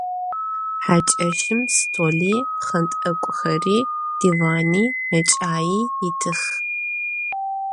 Haç'eşım stoli, pxhent'ek'uxeri, divani, meç'ai yitıx.